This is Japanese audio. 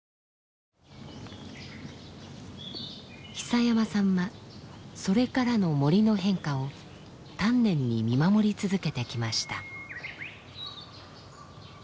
久山さんはそれからの森の変化を丹念に見守り続けてきました。